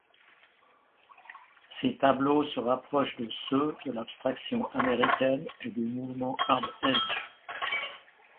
Ses tableaux se rapprochent de ceux de l'abstraction américaine et du mouvement hard edge.